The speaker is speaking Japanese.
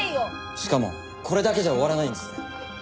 しかもこれだけじゃ終わらないんです。